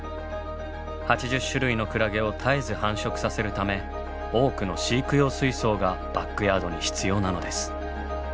８０種類のクラゲを絶えず繁殖させるため多くの飼育用水槽がバックヤードに必要なのです。